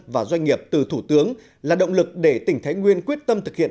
và doanh nghiệp từ thủ tướng là động lực để tỉnh thái nguyên quyết tâm thực hiện